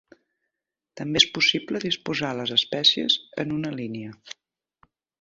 També és possible disposar les espècies en una línia.